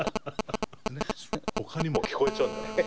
ほかにも聞こえちゃうんじゃないの？